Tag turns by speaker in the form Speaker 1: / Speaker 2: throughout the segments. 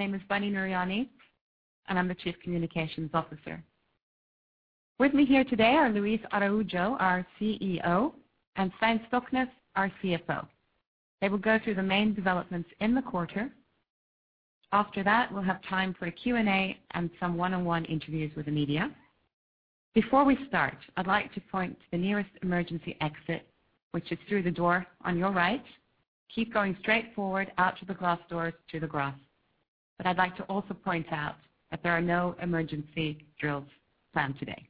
Speaker 1: My name is Bunny Nooryani, and I'm the Chief Communications Officer. With me here today are Luis Araujo, our CEO, and Svein Stoknes, our CFO. They will go through the main developments in the quarter. After that, we'll have time for a Q&A and some one-on-one interviews with the media. Before we start, I'd like to point to the nearest emergency exit, which is through the door on your right. Keep going straight forward out to the glass doors to the grass. I'd like to also point out that there are no emergency drills planned today.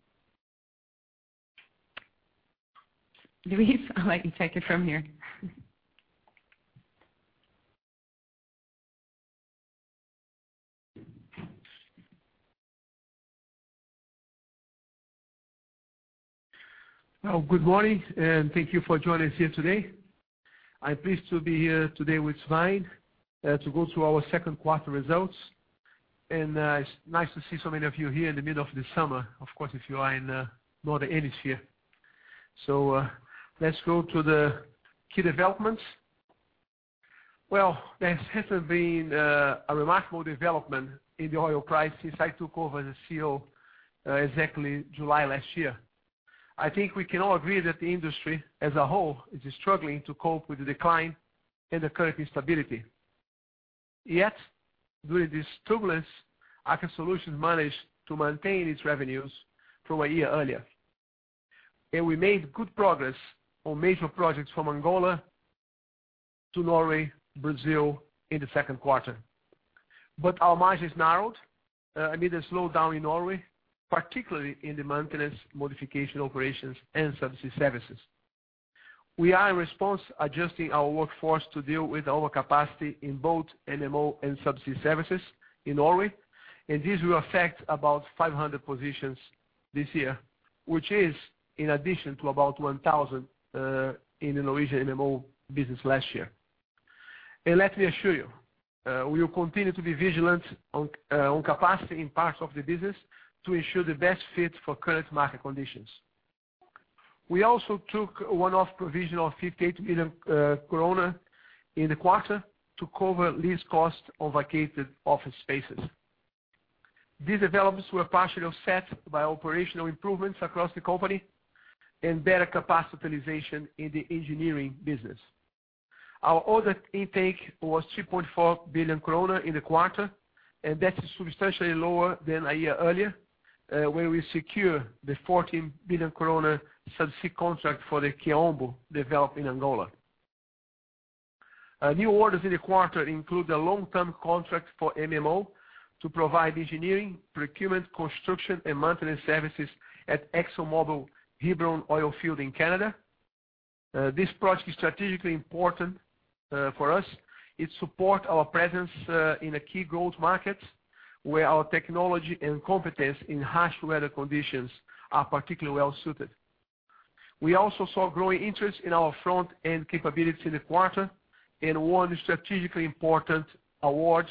Speaker 1: Luis, I'll let you take it from here.
Speaker 2: Well, good morning, and thank you for joining us here today. I'm pleased to be here today with Svein, to go through our second quarter results. It's nice to see so many of you here in the middle of the summer, of course, if you are in the northern hemisphere. Let's go to the key developments. Well, there hasn't been a remarkable development in the oil price since I took over as the CEO, exactly July last year. I think we can all agree that the industry as a whole is struggling to cope with the decline and the current instability. Yet, during this turbulence, Aker Solutions managed to maintain its revenues from a year earlier. We made good progress on major projects from Angola to Norway, Brazil in the second quarter. Our margins narrowed amid a slowdown in Norway, particularly in the maintenance, modification operations and subsea services. We are in response adjusting our workforce to deal with overcapacity in both MMO and subsea services in Norway, and this will affect about 500 positions this year, which is in addition to about 1,000 in the Norwegian MMO business last year. Let me assure you, we will continue to be vigilant on capacity in parts of the business to ensure the best fit for current market conditions. We also took a one-off provision of 58 million in the quarter to cover lease costs on vacated office spaces. These developments were partially offset by operational improvements across the company and better capacity utilization in the engineering business. Our order intake was 3.4 billion kroner in the quarter, and that is substantially lower than a year earlier, where we secure the 14 billion subsea contract for the Kaombo development in Angola. New orders in the quarter include a long-term contract for MMO to provide engineering, procurement, construction, and maintenance services at ExxonMobil Hebron oil field in Canada. This project is strategically important for us. It support our presence in a key growth market where our technology and competence in harsh weather conditions are particularly well suited. We also saw growing interest in our front-end capabilities in the quarter and won strategically important awards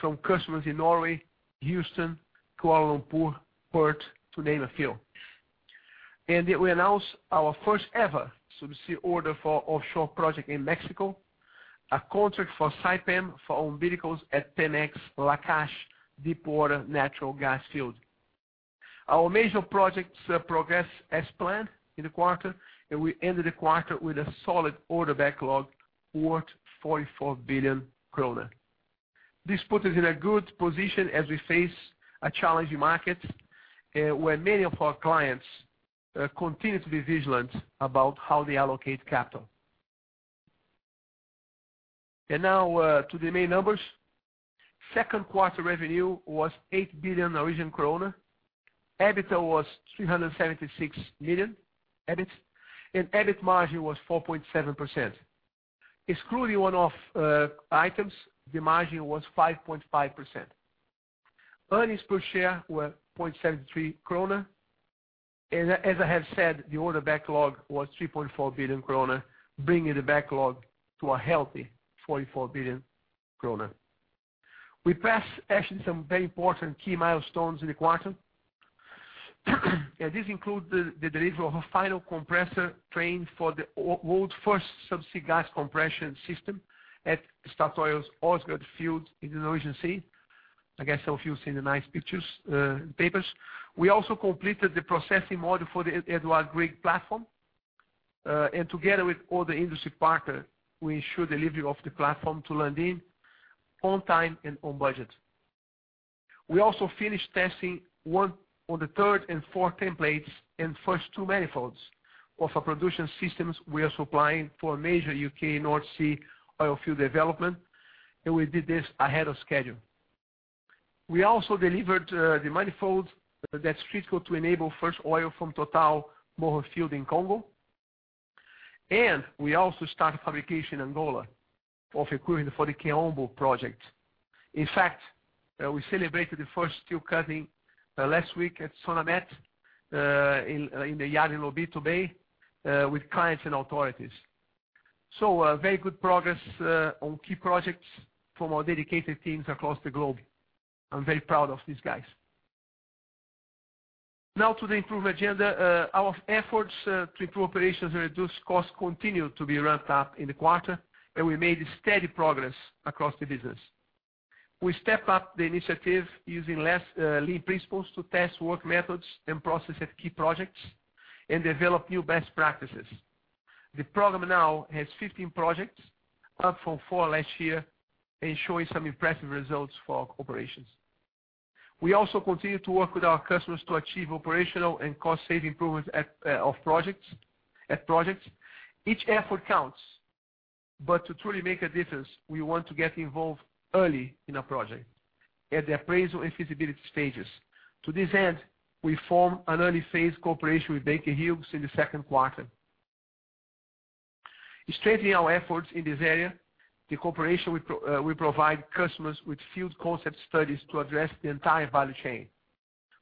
Speaker 2: from customers in Norway, Houston, Kuala Lumpur, Perth, to name a few. We announced our first-ever subsea order for offshore project in Mexico, a contract for Saipem for umbilicals at Pemex Lakash deepwater natural gas field. Our major projects progress as planned in the quarter. We ended the quarter with a solid order backlog worth 44 billion kroner. This put us in a good position as we face a challenging market, where many of our clients continue to be vigilant about how they allocate capital. Now to the main numbers. Second quarter revenue was 8 billion Norwegian krone. EBITDA was 376 million EBIT. EBIT margin was 4.7%. Excluding one-off items, the margin was 5.5%. Earnings per share were 0.73 krone. As I have said, the order backlog was 3.4 billion krone, bringing the backlog to a healthy 44 billion krone. We passed actually some very important key milestones in the quarter. This include the delivery of a final compressor train for the world's first subsea gas compression system at Statoil's Åsgard field in the Norwegian Sea. I guess some of you seen the nice pictures in papers. We also completed the processing module for the Edvard Grieg platform. Together with all the industry partner, we ensure delivery of the platform to Lundin on time and on budget. We also finished testing one on the third and fourth templates and first two manifolds of a production systems we are supplying for a major U.K. North Sea oil field development. We did this ahead of schedule. We also delivered the manifold that's critical to enable first oil from Total Moho field in Congo. We also start fabrication in Angola of equipment for the Kaombo project. In fact, we celebrated the first steel cutting last week at Sonamet, in the yard in Lobito Bay, with clients and authorities. Very good progress on key projects from our dedicated teams across the globe. I'm very proud of these guys. Now to the improvement agenda. Our efforts to improve operations and reduce costs continue to be ramped up in the quarter, and we made steady progress across the business. We stepped up the initiative using less lean principles to test work methods and process of key projects and develop new best practices. The program now has 15 projects up from four last year and showing some impressive results for our operations. We also continue to work with our customers to achieve operational and cost-saving improvements at projects. Each effort counts, but to truly make a difference, we want to get involved early in a project at the appraisal and feasibility stages. To this end, we form an early-phase cooperation with Baker Hughes in the second quarter. Strengthening our efforts in this area, the cooperation we provide customers with field concept studies to address the entire value chain,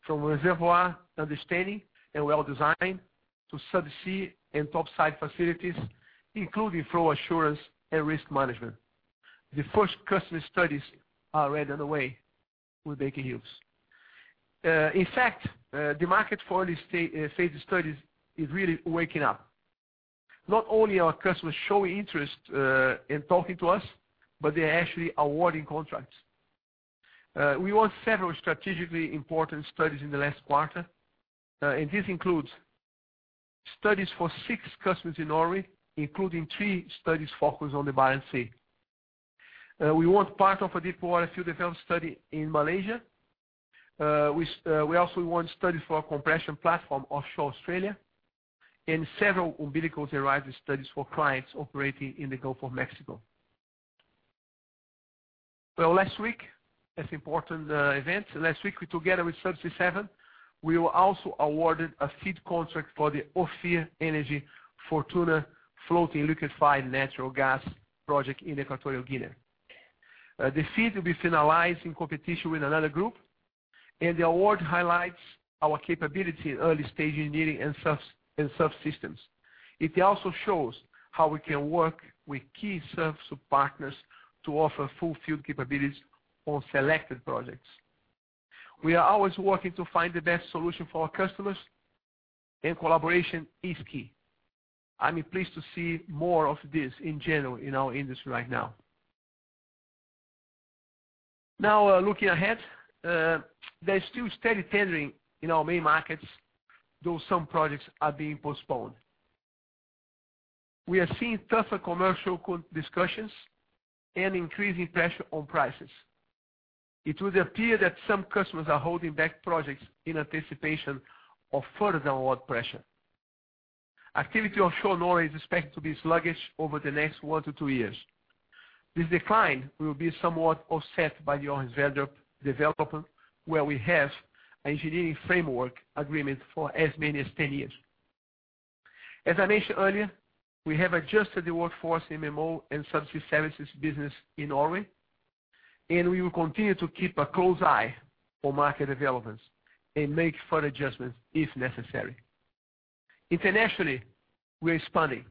Speaker 2: from reservoir understanding and well design to subsea and topside facilities, including flow assurance and risk management. The first customer studies are already on the way with Baker Hughes. In fact, the market for early phase studies is really waking up. Not only are customers showing interest, in talking to us, but they are actually awarding contracts. We won several strategically important studies in the last quarter, and this includes studies for 6 customers in Norway, including 3 studies focused on the Barents Sea. We won part of a deepwater field development study in Malaysia. We also won studies for a compression platform offshore Australia and several umbilical and riser studies for clients operating in the Gulf of Mexico. Well, last week, as important event, last week together with Subsea 7, we were also awarded a FEED contract for the Ophir Energy Fortuna Floating Liquefied Natural Gas project in Equatorial Guinea. The FEED will be finalized in competition with another group, and the award highlights our capability in early-stage engineering and subsystems. It also shows how we can work with key subsea partners to offer full field capabilities on selected projects. We are always working to find the best solution for our customers, and collaboration is key. I'm pleased to see more of this in general in our industry right now. Looking ahead, there's still steady tendering in our main markets, though some projects are being postponed. We are seeing tougher commercial discussions and increasing pressure on prices. It would appear that some customers are holding back projects in anticipation of further downward pressure. Activity offshore Norway is expected to be sluggish over the next 1-2 years. This decline will be somewhat offset by the Orange Väder development, where we have engineering framework agreement for as many as 10 years. As I mentioned earlier, we have adjusted the workforce in MMO and Subsea services business in Norway, and we will continue to keep a close eye on market developments and make further adjustments if necessary. Internationally, we are expanding.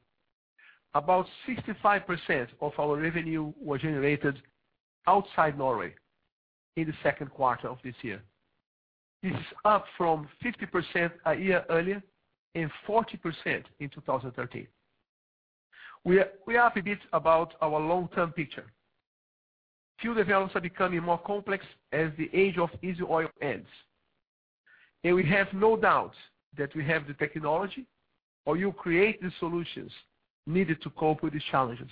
Speaker 2: About 65% of our revenue was generated outside Norway in the second quarter of this year. This is up from 50% a year earlier and 40% in 2013. We are upbeat about our long-term picture. Field developments are becoming more complex as the age of easy oil ends. We have no doubt that we have the technology or will create the solutions needed to cope with these challenges.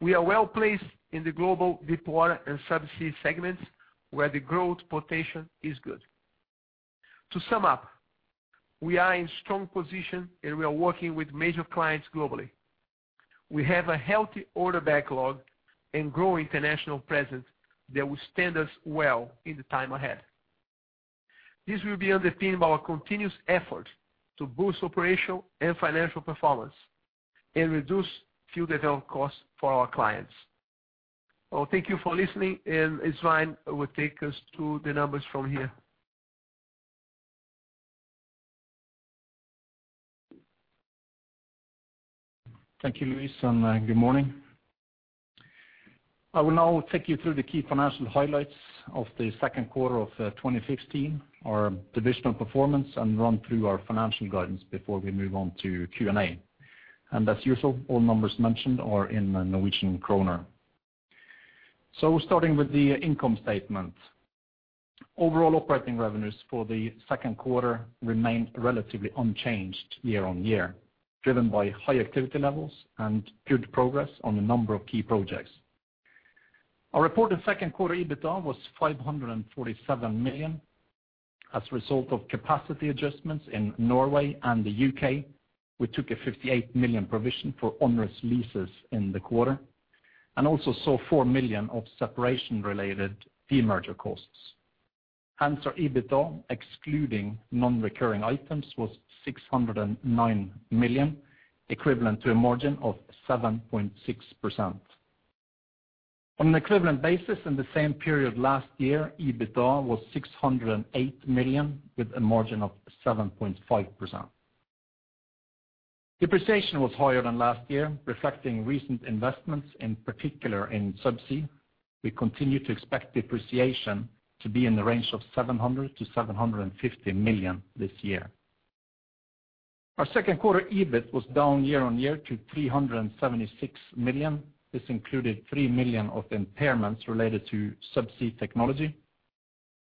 Speaker 2: We are well-placed in the global deepwater and subsea segments, where the growth potential is good. To sum up, we are in strong position, and we are working with major clients globally. We have a healthy order backlog and growing international presence that will stand us well in the time ahead. This will be underpinned by our continuous effort to boost operational and financial performance and reduce field development costs for our clients. Well, thank you for listening, and Svein will take us through the numbers from here.
Speaker 3: Thank you, Luis, good morning. I will now take you through the key financial highlights of the second quarter of 2016, our divisional performance, and run through our financial guidance before we move on to Q&A. As usual, all numbers mentioned are in Norwegian kroner. Starting with the income statement. Overall operating revenues for the second quarter remained relatively unchanged year-on-year, driven by high activity levels and good progress on a number of key projects. Our reported second quarter EBITDA was 547 million. As a result of capacity adjustments in Norway and the U.K., we took a 58 million provision for onerous leases in the quarter and also saw 4 million of separation-related demerger costs. Our EBITDA, excluding non-recurring items, was 609 million, equivalent to a margin of 7.6%. On an equivalent basis in the same period last year, EBITDA was 608 million, with a margin of 7.5%. Depreciation was higher than last year, reflecting recent investments, in particular in Subsea. We continue to expect depreciation to be in the range of 700 million-750 million this year. Our second quarter EBIT was down year-on-year to 376 million. This included 3 million of impairments related to Subsea Technology.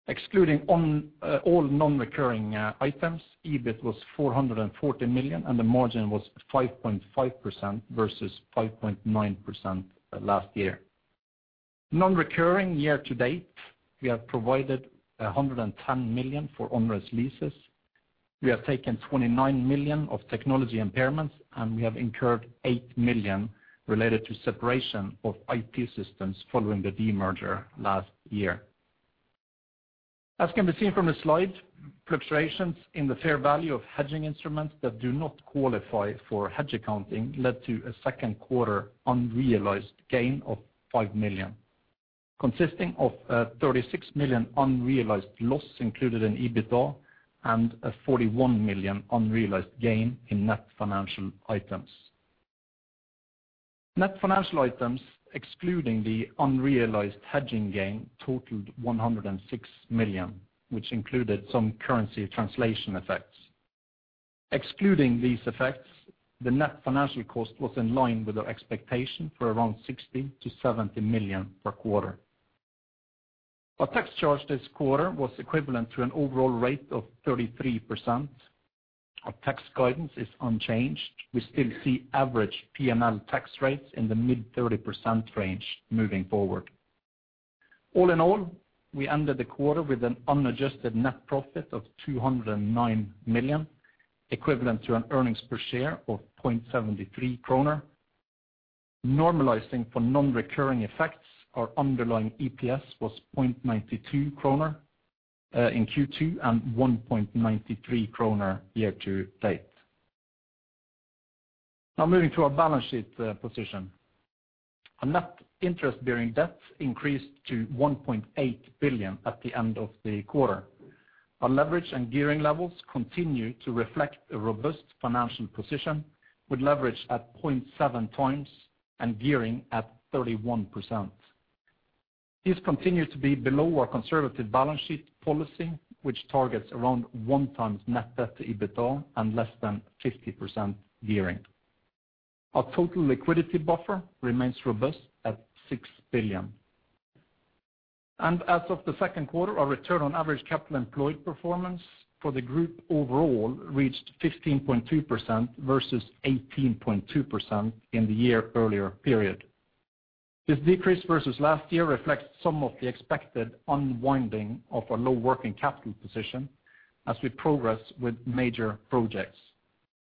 Speaker 3: Excluding all non-recurring items, EBIT was 440 million, and the margin was 5.5% versus 5.9% last year. Non-recurring year-to-date, we have provided 110 million for onerous leases. We have taken 29 million of technology impairments. We have incurred 8 million related to separation of IT systems following the demerger last year. As can be seen from the slide, fluctuations in the fair value of hedging instruments that do not qualify for hedge accounting led to a second quarter unrealized gain of 5 million, consisting of 36 million unrealized loss included in EBITDA and a 41 million unrealized gain in net financial items. Net financial items excluding the unrealized hedging gain totaled 106 million, which included some currency translation effects. Excluding these effects, the net financial cost was in line with our expectation for around 60-70 million per quarter. Our tax charge this quarter was equivalent to an overall rate of 33%. Our tax guidance is unchanged. We still see average P&L tax rates in the mid-30% range moving forward. All in all, we ended the quarter with an unadjusted net profit of 209 million, equivalent to an earnings per share of 0.73 kroner. Normalizing for non-recurring effects, our underlying EPS was 0.92 kroner in Q2 and 1.93 kroner year-to-date. Moving to our balance sheet position. Our net interest-bearing debt increased to 1.8 billion at the end of the quarter. Our leverage and gearing levels continue to reflect a robust financial position with leverage at 0.7 times and gearing at 31%. These continue to be below our conservative balance sheet policy, which targets around 1 times net debt to EBITDA and less than 50% gearing. Our total liquidity buffer remains robust at 6 billion. As of the second quarter, our return on average capital employed performance for the group overall reached 15.2% versus 18.2% in the year earlier period. This decrease versus last year reflects some of the expected unwinding of our low working capital position as we progress with major projects,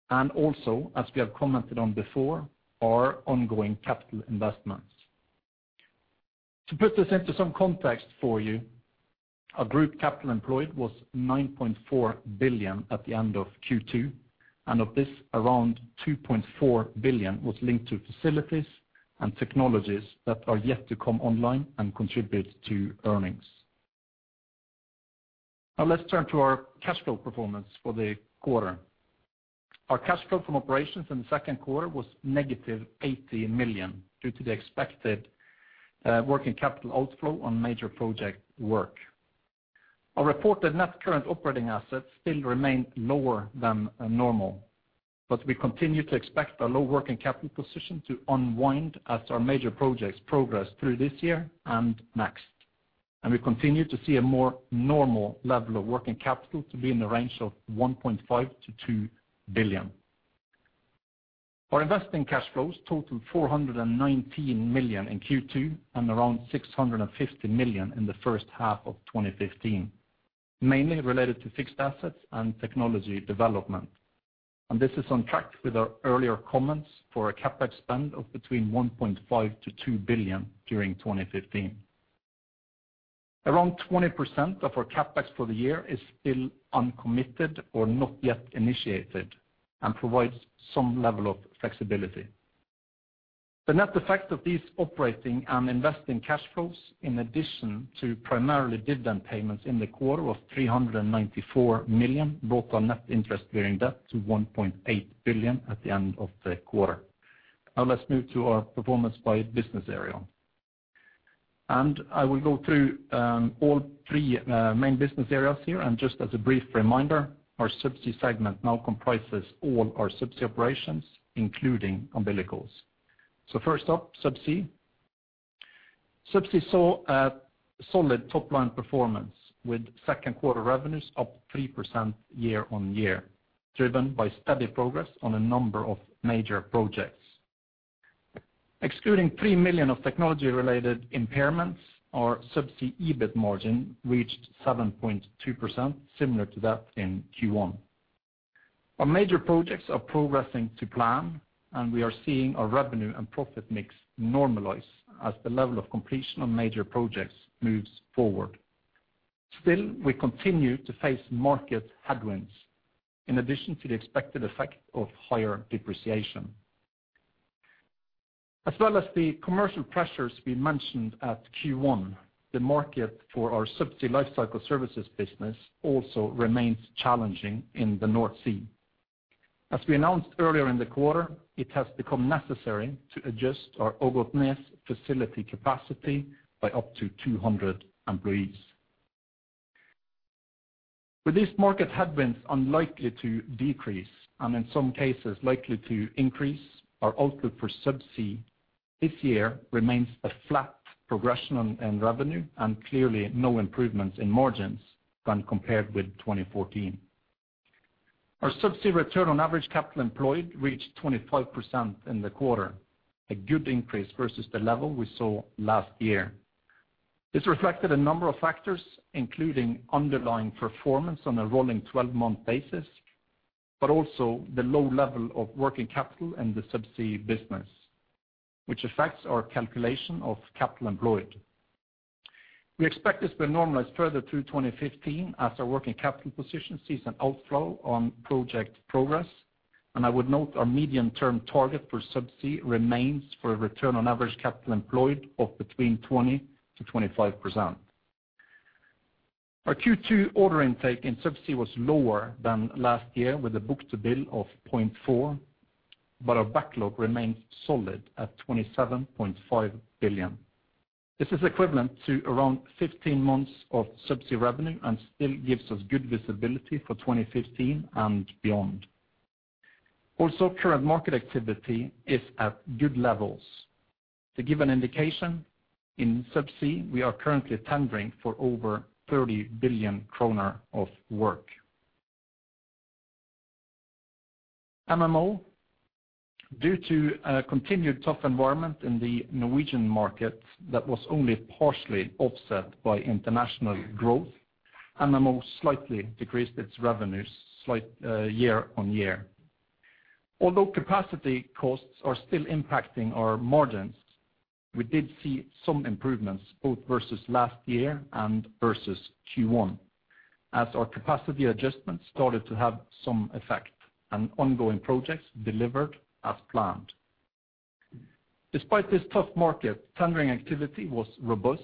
Speaker 3: and also, as we have commented on before, our ongoing capital investments. To put this into some context for you, our group capital employed was 9.4 billion at the end of Q2, and of this, around 2.4 billion was linked to facilities and technologies that are yet to come online and contribute to earnings. Let's turn to our cash flow performance for the quarter. Our cash flow from operations in the second quarter was negative 80 million due to the expected working capital outflow on major project work. Our reported net current operating assets still remain lower than normal, but we continue to expect our low working capital position to unwind as our major projects progress through this year and next. We continue to see a more normal level of working capital to be in the range of 1.5 billion-2 billion. Our investing cash flows totaled 419 million in Q2 and around 650 million in the first half of 2015, mainly related to fixed assets and technology development. This is on track with our earlier comments for a CapEx spend of between 1.5 billion-2 billion during 2015. Around 20% of our CapEx for the year is still uncommitted or not yet initiated and provides some level of flexibility. The net effect of these operating and investing cash flows, in addition to primarily dividend payments in the quarter of 394 million, brought our net interest-bearing debt to 1.8 billion at the end of the quarter. Now let's move to our performance by business area. I will go through all three main business areas here, and just as a brief reminder, our Subsea segment now comprises all our Subsea operations, including umbilicals. First up, Subsea. Subsea saw a solid top-line performance with second quarter revenues up 3% year-over-year, driven by steady progress on a number of major projects. Excluding 3 million of technology-related impairments, our Subsea EBIT margin reached 7.2%, similar to that in Q1. Our major projects are progressing to plan, and we are seeing our revenue and profit mix normalize as the level of completion on major projects moves forward. Still, we continue to face market headwinds in addition to the expected effect of higher depreciation. As well as the commercial pressures we mentioned at Q1, the market for our Subsea lifecycle services business also remains challenging in the North Sea. As we announced earlier in the quarter, it has become necessary to adjust our Ågotnes facility capacity by up to 200 employees. With these market headwinds unlikely to decrease, and in some cases likely to increase, our outlook for Subsea this year remains a flat progression on earned revenue, and clearly no improvements in margins when compared with 2014. Our Subsea return on average capital employed reached 25% in the quarter, a good increase versus the level we saw last year. This reflected a number of factors, including underlying performance on a rolling 12-month basis, but also the low level of working capital in the Subsea business, which affects our calculation of capital employed. We expect this will normalize further through 2015 as our working capital position sees an outflow on project progress, I would note our medium-term target for Subsea remains for a return on average capital employed of between 20%-25%. Our Q2 order intake in Subsea was lower than last year with a book-to-bill of 0.4, but our backlog remains solid at 27.5 billion. This is equivalent to around 15 months of Subsea revenue and still gives us good visibility for 2015 and beyond. Current market activity is at good levels. To give an indication, in Subsea, we are currently tendering for over 30 billion kroner of work. MMO. Due to a continued tough environment in the Norwegian market that was only partially offset by international growth, MMO slightly decreased its revenues slight year-on-year. Capacity costs are still impacting our margins, we did see some improvements both versus last year and versus Q1 as our capacity adjustments started to have some effect and ongoing projects delivered as planned. Despite this tough market, tendering activity was robust,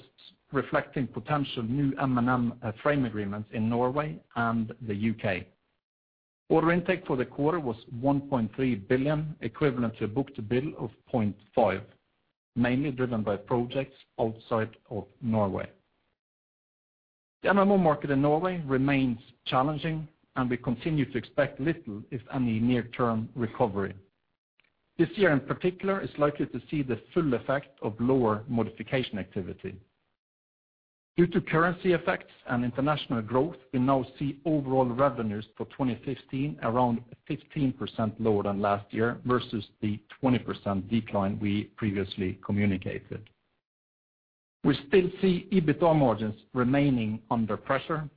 Speaker 3: reflecting potential new M&M frame agreements in Norway and the UK. Order intake for the quarter was 1.3 billion, equivalent to a book-to-bill of 0.5, mainly driven by projects outside of Norway. The MMO market in Norway remains challenging, and we continue to expect little, if any, near-term recovery. This year in particular is likely to see the full effect of lower modification activity. Due to currency effects and international growth, we now see overall revenues for 2015 around 15% lower than last year versus the 20% decline we previously communicated. We still see EBITDA margins remaining under pressure,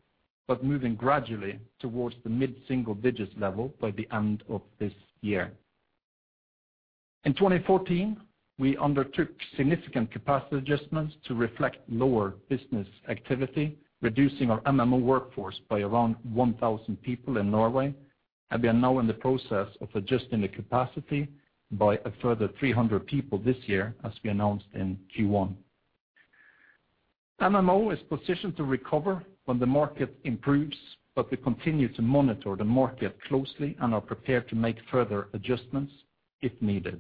Speaker 3: but moving gradually towards the mid-single digits level by the end of this year. In 2014, we undertook significant capacity adjustments to reflect lower business activity, reducing our MMO workforce by around 1,000 people in Norway, and we are now in the process of adjusting the capacity by a further 300 people this year as we announced in Q1. MMO is positioned to recover when the market improves, but we continue to monitor the market closely and are prepared to make further adjustments if needed.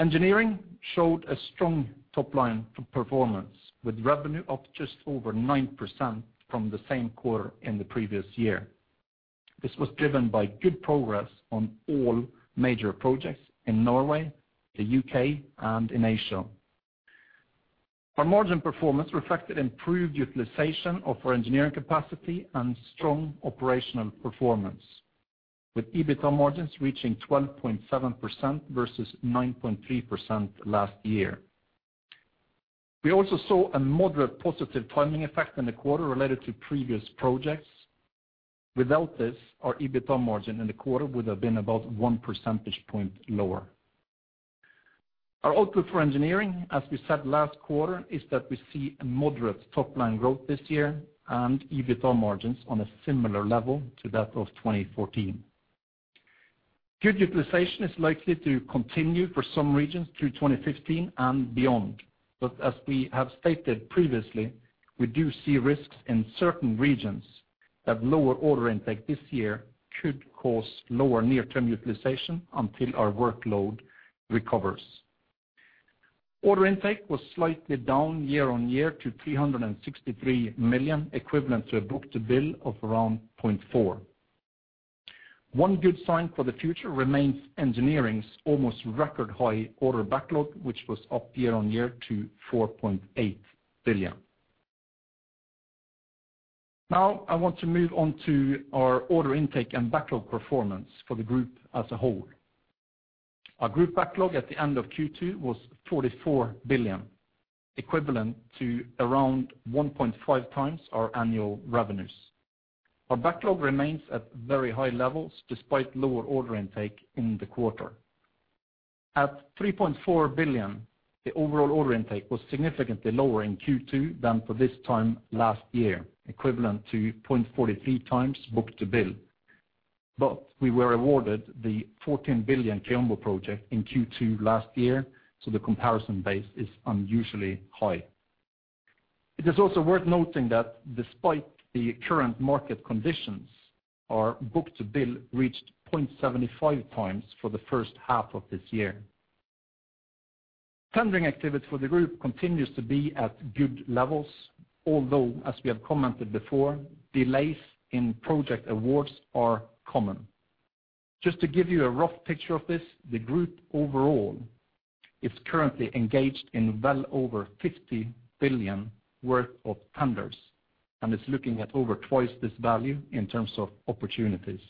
Speaker 3: Engineering showed a strong top-line performance with revenue up just over 9% from the same quarter in the previous year. This was driven by good progress on all major projects in Norway, the U.K., and in Asia. Our margin performance reflected improved utilization of our engineering capacity and strong operational performance, with EBITDA margins reaching 12.7% versus 9.3% last year. We also saw a moderate positive timing effect in the quarter related to previous projects. Without this, our EBITDA margin in the quarter would have been about one percentage point lower. Our outlook for engineering, as we said last quarter, is that we see a moderate top-line growth this year and EBITDA margins on a similar level to that of 2014. Good utilization is likely to continue for some regions through 2015 and beyond. As we have stated previously, we do see risks in certain regions that lower order intake this year could cause lower near-term utilization until our workload recovers. Order intake was slightly down year-on-year to 363 million, equivalent to a book-to-bill of around 0.4. One good sign for the future remains engineering's almost record-high order backlog, which was up year-on-year to 4.8 billion. Now I want to move on to our order intake and backlog performance for the group as a whole. Our group backlog at the end of Q2 was 44 billion, equivalent to around 1.5 times our annual revenues. Our backlog remains at very high levels despite lower order intake in the quarter. At 3.4 billion. The overall order intake was significantly lower in Q2 than for this time last year, equivalent to 0.43 times book-to-bill. We were awarded the 14 billion Kaombo project in Q2 last year, so the comparison base is unusually high. It is also worth noting that despite the current market conditions, our book-to-bill reached 0.75x for the first half of this year. Tendering activity for the group continues to be at good levels, although as we have commented before, delays in project awards are common. Just to give you a rough picture of this, the group overall is currently engaged in well over 50 billion worth of tenders and is looking at over twice this value in terms of opportunities.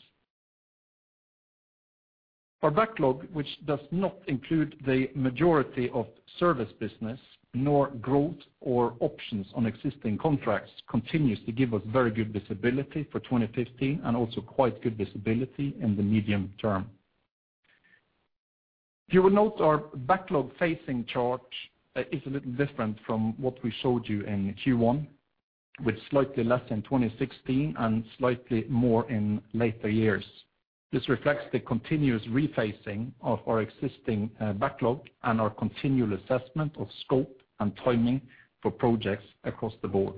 Speaker 3: Our backlog, which does not include the majority of service business nor growth or options on existing contracts, continues to give us very good visibility for 2015 and also quite good visibility in the medium term. You will note our backlog phasing chart is a little different from what we showed you in Q1, with slightly less in 2016 and slightly more in later years. This reflects the continuous rephasing of our existing backlog and our continual assessment of scope and timing for projects across the board.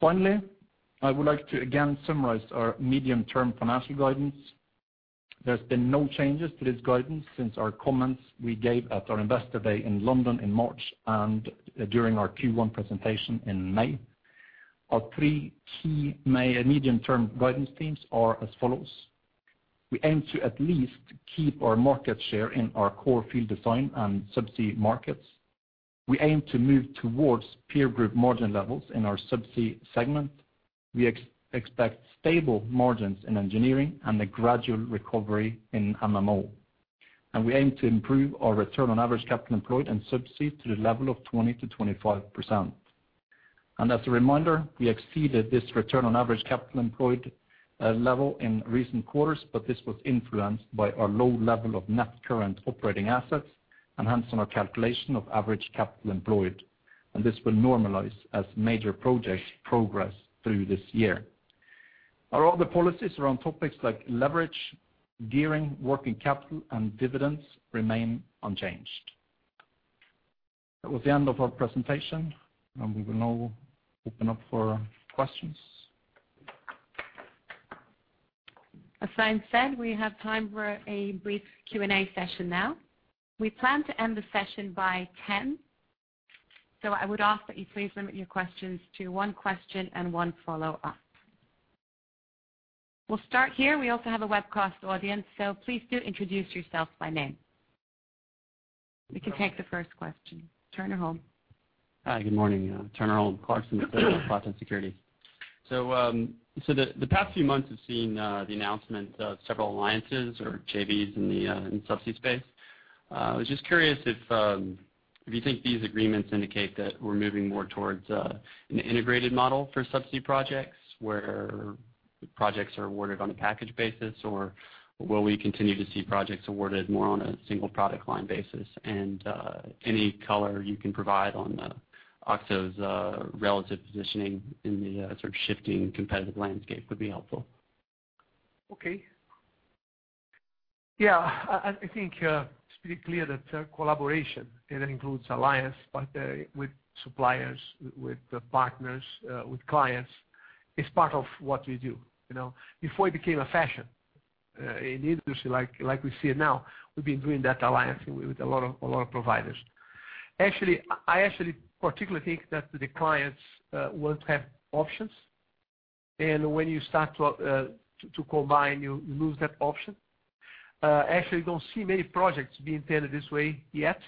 Speaker 3: Finally, I would like to again summarize our medium-term financial guidance. There's been no changes to this guidance since our comments we gave at our Investor Day in London in March and during our Q1 presentation in May. Our three key medium-term guidance themes are as follows. We aim to at least keep our market share in our core field design and subsea markets. We aim to move towards peer group margin levels in our subsea segment. We expect stable margins in engineering and a gradual recovery in MMO. We aim to improve our return on average capital employed in subsea to the level of 20%-25%. As a reminder, we exceeded this return on average capital employed, level in recent quarters, but this was influenced by our low level of net current operating assets, and hence on our calculation of average capital employed. This will normalize as major projects progress through this year. Our other policies around topics like leverage, gearing, working capital, and dividends remain unchanged. That was the end of our presentation, and we will now open up for questions.
Speaker 1: As Stein said, we have time for a brief Q&A session now. We plan to end the session by 10:00, so I would ask that you please limit your questions to 1 question and 1 follow-up. We'll start here. We also have a webcast audience, so please do introduce yourself by name. We can take the first question. Turner Holm.
Speaker 4: Hi, good morning. Turner Holm, Clarksons Platou Securities. The past few months have seen the announcement of several alliances or JVs in the subsea space. I was just curious if you think these agreements indicate that we're moving more towards an integrated model for subsea projects where projects are awarded on a package basis, or will we continue to see projects awarded more on a single product line basis? Any color you can provide on OSCO's relative positioning in the sort of shifting competitive landscape would be helpful.
Speaker 2: Okay. Yeah, I think it's pretty clear that collaboration, and that includes alliance, but with suppliers, with partners, with clients, is part of what we do, you know. Before it became a fashion in the industry like we see it now, we've been doing that alliance with a lot of providers. Actually, I actually particularly think that the clients want to have options. When you start to combine, you lose that option. Actually don't see many projects being tended this way yet.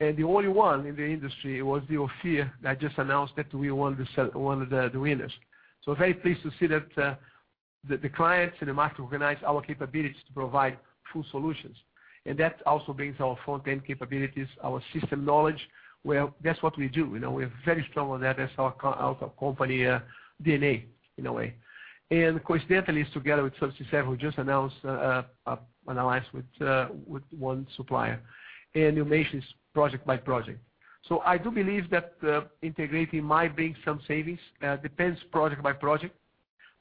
Speaker 2: The only one in the industry was the Ophir that just announced that we won one of the winners. Very pleased to see that the clients in the market recognize our capabilities to provide full solutions. That also brings our front-end capabilities, our system knowledge, where that's what we do. You know, we're very strong on that. That's our company DNA in a way. Coincidentally, together with Subsea 7, we just announced an alliance with one supplier. You mention it's project by project. I do believe that integrating might bring some savings. Depends project by project.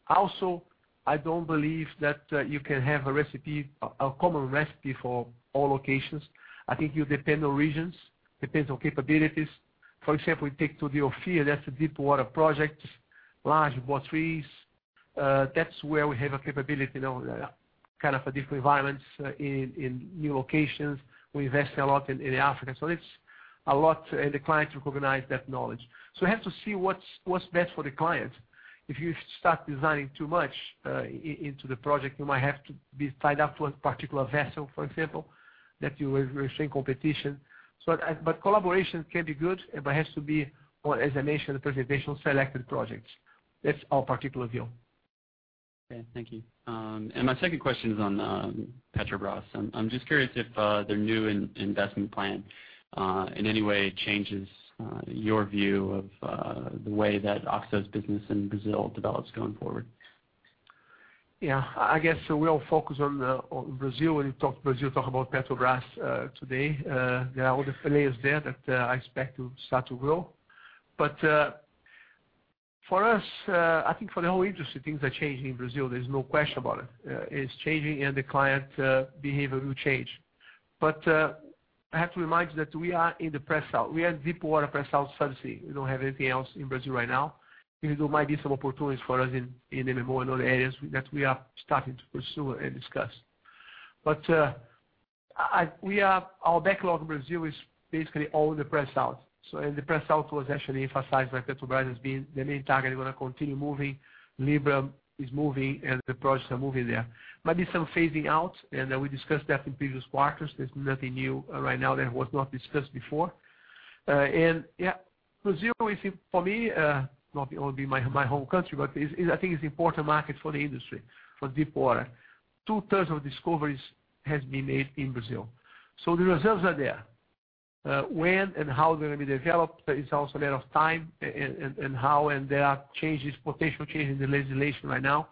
Speaker 2: Also, I don't believe that you can have a common recipe for all locations. I think you depend on regions, depends on capabilities. For example, we take to the Ophir, that's a deepwater project, large bore trees. That's where we have a capability, you know, kind of a different environments in new locations. We invest a lot in Africa. It's a lot, and the clients recognize that knowledge. We have to see what's best for the client. If you start designing too much into the project, you might have to be tied up to a particular vessel, for example, that you will receive competition. Collaboration can be good, but it has to be, or as I mentioned in the presentation, selected projects. That's our particular view.
Speaker 4: Okay, thank you. My second question is on Petrobras. I'm just curious if their new in-investment plan in any way changes your view of the way that OSCO's business in Brazil develops going forward?
Speaker 2: Yeah, I guess we all focus on the, on Brazil. When you talk Brazil, talk about Petrobras today. There are all the players there that I expect to start to grow. I have to remind you that we are in the Pre-Salt. We are Deepwater Pre-Salt subsea. We don't have anything else in Brazil right now. Even though might be some opportunities for us in MMO and other areas that we are starting to pursue and discuss. Our backlog in Brazil is basically all in the Pre-Salt. The Pre-Salt was actually emphasized by Petrobras as being the main target, they wanna continue moving. Libra is moving, and the projects are moving there. Might be some phasing out, and, we discussed that in previous quarters. There's nothing new right now that was not discussed before. Yeah, Brazil is, for me, not only being my home country, but is I think it's important market for the industry, for deepwater. Two-thirds of discoveries has been made in Brazil. The reserves are there. When and how they're gonna be developed is also a matter of time, and how, and there are changes, potential changes in the legislation right now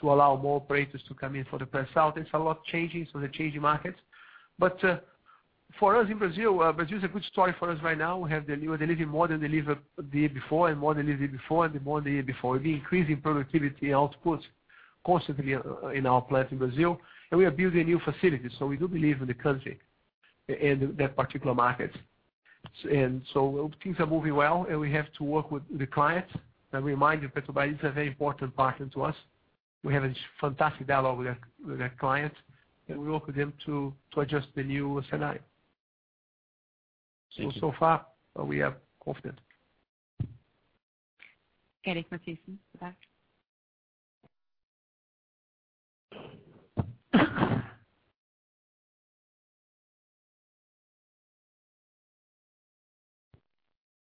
Speaker 2: to allow more operators to come in for the pre-salt. There's a lot changes for the changing markets. For us in Brazil is a good story for us right now. We have delivering more than delivered the year before and more than the year before and more than the year before. We increase in productivity outputs constantly in our plant in Brazil, and we are building new facilities, so we do believe in the country and that particular market. Things are moving well, and we have to work with the clients. I remind you, Petrobras is a very important partner to us. We have a fantastic dialogue with that client, and we work with them to adjust the new scenario.
Speaker 4: Thank you.
Speaker 2: So far, we are confident.
Speaker 1: Eirik Matthiesen,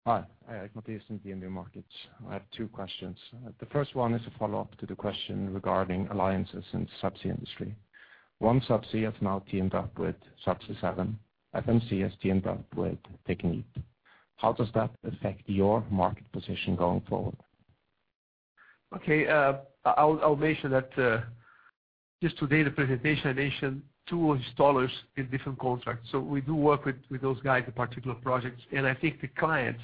Speaker 1: go back.
Speaker 5: Hi. Eirik Matthiesen, DNB Markets. I have two questions. The first one is a follow-up to the question regarding alliances in subsea industry. OneSubsea has now teamed up with Subsea 7, FMC has teamed up with Technip. How does that affect your market position going forward?
Speaker 2: Okay. I'll mention that just today in the presentation, I mentioned two installers in different contracts. We do work with those guys in particular projects, I think the clients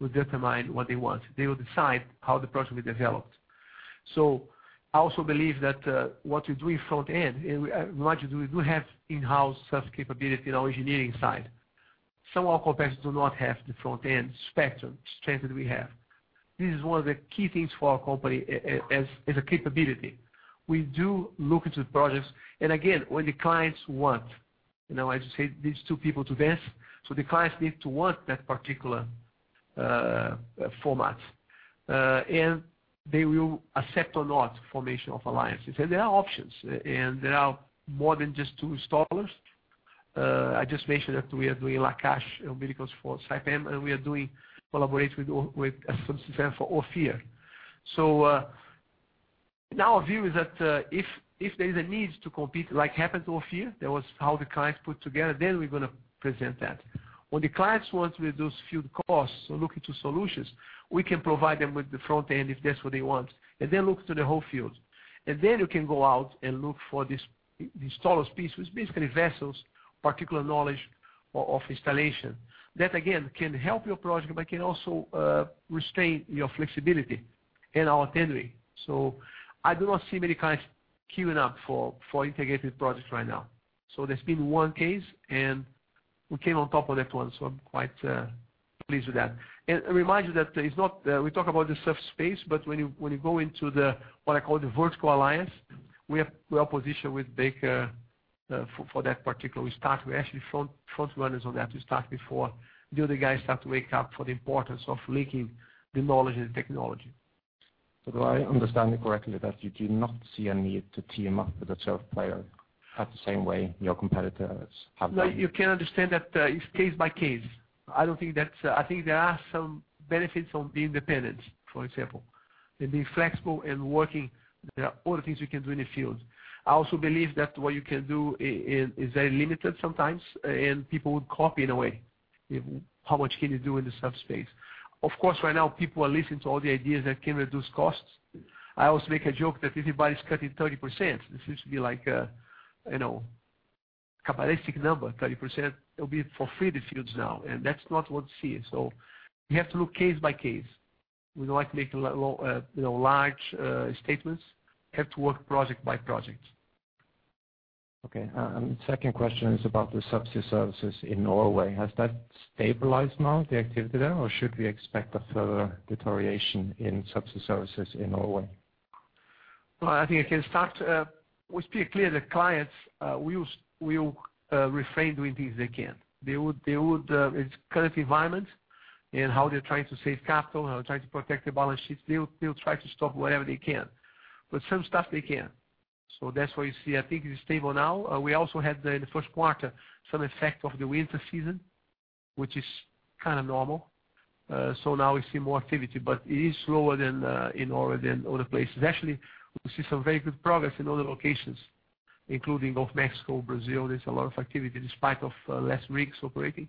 Speaker 2: will determine what they want. They will decide how the project will be developed. I also believe that what we do in front-end, remind you, we do have in-house sub capability in our engineering side. Some of our competitors do not have the front-end spectrum strength that we have. This is one of the key things for our company as a capability. We do look into the projects, again, when the clients want, you know, I just say needs two people to dance, the clients need to want that particular format. They will accept or not formation of alliances. There are options, and there are more than just two installers. I just mentioned that we are doing Lapa and Iracema for Saipem, and we are doing collaborate with Subsea 7 for Ophir. Now our view is that, if there is a need to compete, like happened to Ophir, that was how the clients put together, then we're gonna present that. When the clients want to reduce field costs or look into solutions, we can provide them with the front end, if that's what they want, and then look to the whole field. Then you can go out and look for this, the installers piece, which basically vessels particular knowledge of installation. That, again, can help your project, but can also restrain your flexibility and our tendering. I do not see many clients queuing up for integrated projects right now. There's been one case, and we came on top of that one, so I'm quite pleased with that. Remind you that it's not, we talk about the sub space, but when you go into the, what I call the vertical alliance, We are positioned with Baker, for that particular start. We're actually front runners on that. We start before the other guys start to wake up for the importance of linking the knowledge and technology.
Speaker 5: Do I understand it correctly that you do not see a need to team up with a sub player at the same way your competitors have done?
Speaker 2: No, you can understand that it's case by case. I don't think there are some benefits of being independent, for example, and being flexible and working. There are other things we can do in the field. I also believe that what you can do is very limited sometimes, and people would copy in a way, if how much can you do in the subsea. Of course, right now, people are listening to all the ideas that can reduce costs. I always make a joke that everybody's cutting 30%. This seems to be like, you know, cabalistic number, 30%. It'll be for free the fields now, and that's not what we see. We have to look case by case. We don't like to make a, you know, large statements. We have to work project by project.
Speaker 5: Okay. Second question is about the subsea services in Norway. Has that stabilized now, the activity there, or should we expect a further deterioration in subsea services in Norway?
Speaker 2: Well, I think I can start. We speak clear that clients will refrain doing things they can. They would. It's current environment and how they're trying to save capital, how trying to protect their balance sheets. They'll try to stop whatever they can, but some stuff they can't. That's why you see, I think it's stable now. We also had the, in the first quarter, some effect of the winter season, which is kind of normal. Now we see more activity, but it is slower than in Norway than other places. Actually, we see some very good progress in other locations. Including both Mexico, Brazil, there's a lot of activity despite of less rigs operating.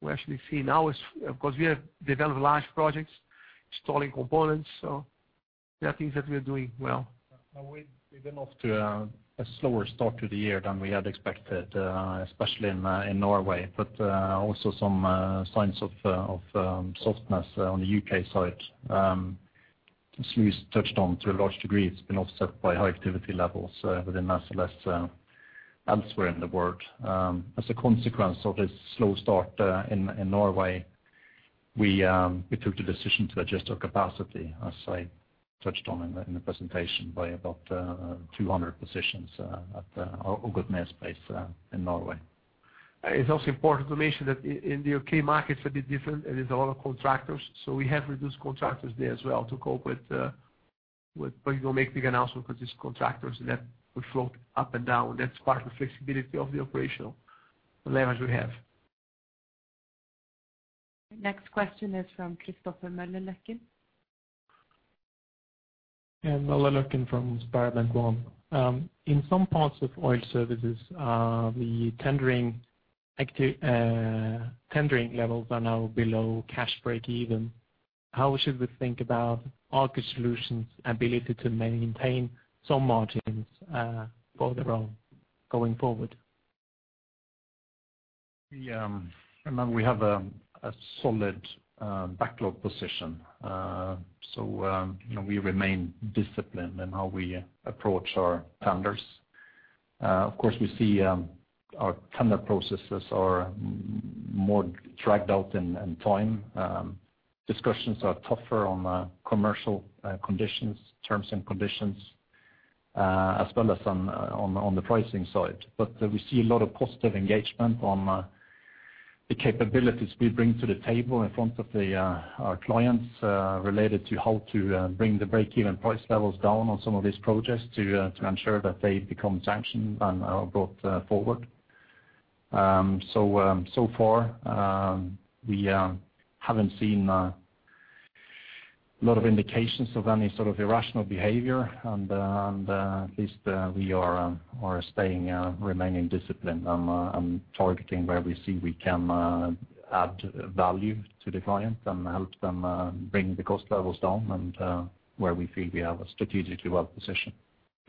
Speaker 2: We actually see now is, of course, we have developed large projects, installing components, so there are things that we are doing well.
Speaker 3: We've been off to a slower start to the year than we had expected, especially in Norway, also some signs of softness on the U.K. side. As Luis touched on to a large degree, it's been offset by high activity levels within SLS elsewhere in the world. As a consequence of this slow start in Norway, we took the decision to adjust our capacity, as I touched on in the presentation, by about 200 positions at our Ogden space in Norway.
Speaker 2: It's also important to mention that in the U.K. market, it's a bit different. There is a lot of contractors. We have reduced contractors there as well to cope with, but we don't make big announcement because it's contractors, and that will float up and down. That's part of the flexibility of the operational leverage we have.
Speaker 1: Next question is from Christopher Møllerløkken.
Speaker 6: Yeah, Møllerløkken from SpareBank 1. In some parts of oil services, the tendering levels are now below cash breakeven. How should we think about Aker Solutions' ability to maintain some margins further on going forward?
Speaker 3: Remember, we have a solid backlog position. you know, we remain disciplined in how we approach our tenders. Of course, we see our tender processes are more dragged out in time. Discussions are tougher on commercial conditions, terms and conditions, as well as on the pricing side. We see a lot of positive engagement on the capabilities we bring to the table in front of our clients, related to how to bring the breakeven price levels down on some of these projects to ensure that they become sanctioned and are brought forward. So far, we haven't seen a lot of indications of any sort of irrational behavior, and, at least, we are staying remaining disciplined and targeting where we see we can add value to the client and help them bring the cost levels down and, where we feel we have a strategically well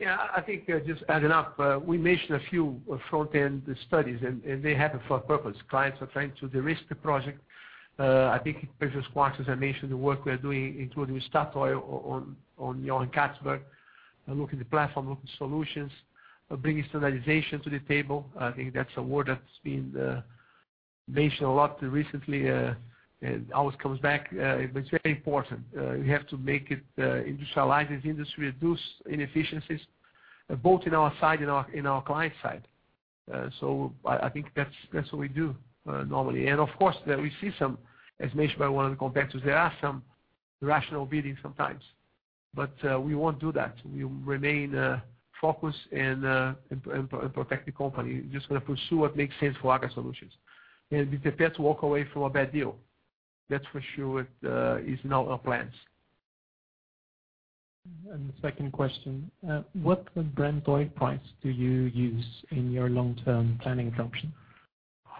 Speaker 3: position.
Speaker 2: Yeah, I think, just adding up, we mentioned a few front-end studies, and they have a purpose. Clients are trying to de-risk the project. I think previous quarters, I mentioned the work we are doing, including with Statoil on Johan Castberg, looking at the platform, looking at solutions, bringing standardization to the table. I think that's a word that's been mentioned a lot recently, and always comes back. It's very important. We have to make it industrialize this industry, reduce inefficiencies, both in our side and in our client side. I think that's what we do, normally. Of course, we see some, as mentioned by one of the competitors, there are some irrational bidding sometimes, but, we won't do that. We remain focused and protect the company. Just gonna pursue what makes sense for Aker Solutions. Be prepared to walk away from a bad deal. That's for sure it is not our plans.
Speaker 6: The second question, what Brent oil price do you use in your long-term planning assumption?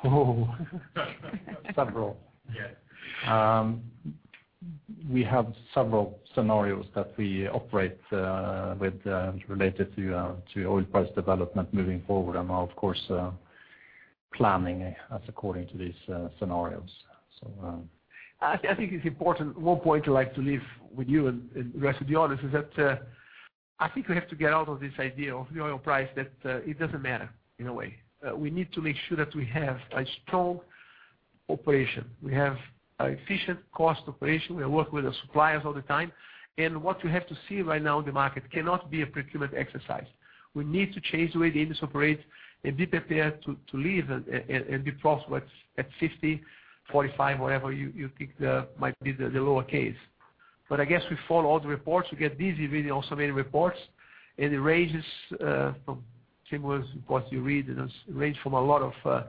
Speaker 3: Oh. Several.
Speaker 2: Yeah.
Speaker 3: We have several scenarios that we operate with related to oil price development moving forward and are of course planning as according to these scenarios.
Speaker 2: I think it's important, one point I'd like to leave with you and the rest of the audience is that, I think we have to get out of this idea of the oil price, that it doesn't matter in a way. We need to make sure that we have a strong operation. We have a efficient cost operation. We work with the suppliers all the time. What you have to see right now in the market cannot be a procurement exercise. We need to change the way the industry operates and be prepared to live and be profitable at $50, $45, whatever you think the might be the lower case. I guess we follow all the reports. We get busy reading all so many reports, and it ranges from similar reports you read, you know, range from a lot of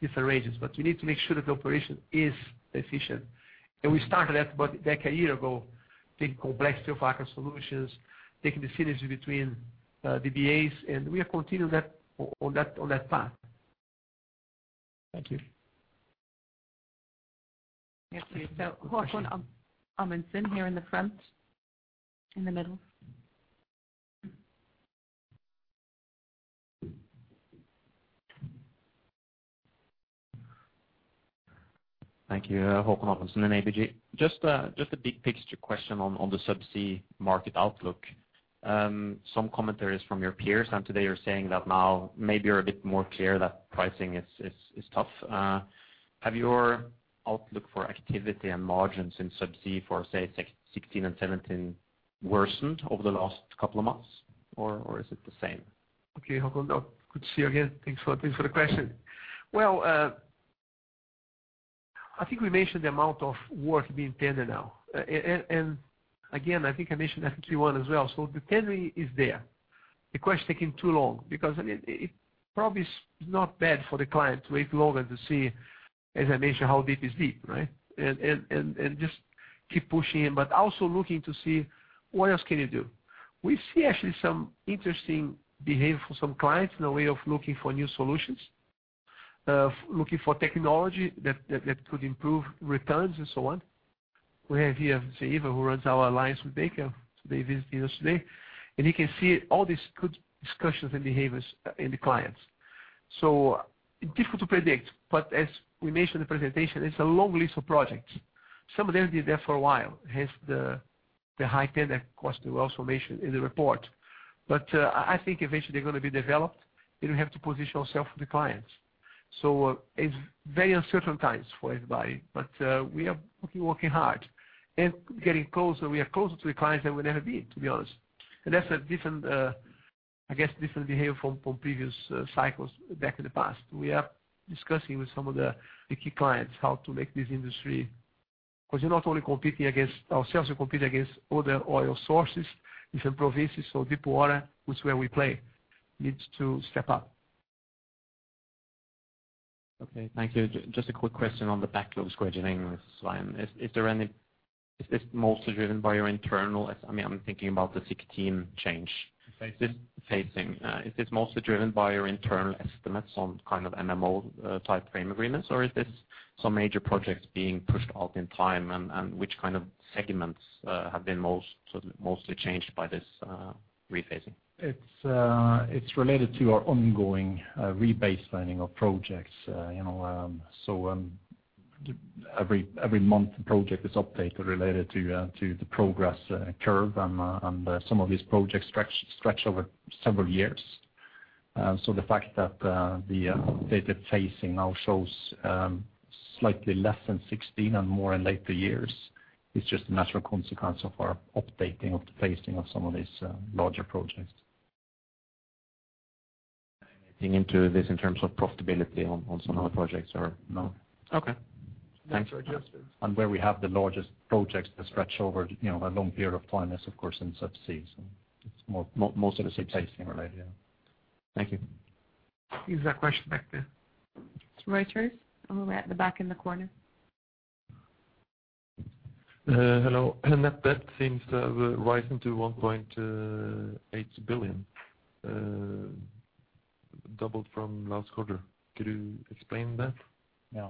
Speaker 2: different ranges. We need to make sure that the operation is efficient. We started that about a decade ago, taking complexity of Aker Solutions, taking the synergy between the BAs, and we are continuing that on that path.
Speaker 6: Thank you.
Speaker 1: Yes, please. Haakon Amundsen here in the front. In the middle.
Speaker 7: Thank you. Haakon Amundsen, ABG. Just a big picture question on the subsea market outlook. Some commentaries from your peers, and today you're saying that now maybe you're a bit more clear that pricing is tough. Have your outlook for activity and margins in subsea for, say, 16 and 17 worsened over the last couple of months, or is it the same?
Speaker 2: Haakon. Good to see you again. Thanks for the question. I think we mentioned the amount of work being tended now. Again, I think I mentioned EP1 as well. The tendering is there. The question is taking too long because, I mean, it probably is not bad for the client to wait a little bit to see, as I mentioned, how deep is deep, right? Just keep pushing him, but also looking to see what else can you do. We see actually some interesting behavior for some clients in a way of looking for new solutions, of looking for technology that could improve returns and so on. We have here Eva, who runs our alliance with Baker. They visited us today, you can see all these good discussions and behaviors in the clients. Difficult to predict. As we mentioned in the presentation, it's a long list of projects. Some of them have been there for a while, hence the high spend, of course, we also mentioned in the report. I think eventually they're gonna be developed, and we have to position ourselves for the clients. It's very uncertain times for everybody. We are working hard and getting closer. We are closer to the clients than we've ever been, to be honest. That's a different, I guess, different behavior from previous cycles back in the past. We are discussing with some of the key clients how to make this industry, because you're not only competing against ourselves, you compete against other oil sources in some provinces. Deep water, which where we play, needs to step up.
Speaker 7: Okay, thank you. Just a quick question on the backlogs scheduling with Svein. Is this mostly driven by your internal... I mean, I'm thinking about the 16 change.
Speaker 3: Phasing.
Speaker 7: Phasing. Is this mostly driven by your internal estimates on kind of MMO type frame agreements, or is this some major projects being pushed out in time? Which kind of segments have been mostly changed by this rephasing?
Speaker 3: It's, it's related to our ongoing rebase planning of projects. You know, every month the project is updated related to the progress curve. Some of these projects stretch over several years. The fact that the data phasing now shows slightly less than 16 and more in later years is just a natural consequence of our updating of the phasing of some of these larger projects.
Speaker 7: Anything into this in terms of profitability on some of the projects or no? Okay, thanks.
Speaker 3: Where we have the largest projects that stretch over, you know, a long period of time is of course in subsea. So it's mostly the same pacing related.
Speaker 7: Thank you.
Speaker 2: There's a question back there.
Speaker 1: Reuters, all the way at the back in the corner.
Speaker 8: Hello. Net debt seems to have risen to 1.8 billion, doubled from last quarter. Could you explain that?
Speaker 3: Yeah.